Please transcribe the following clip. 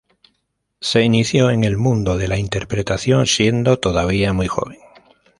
Se inició en el mundo de la interpretación siendo todavía muy joven.